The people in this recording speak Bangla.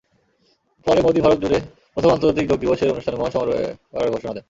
পরে মোদি ভারতজুড়ে প্রথম আন্তর্জাতিক যোগ দিবসের অনুষ্ঠান মহাসমারোহে করার ঘোষণা দেন।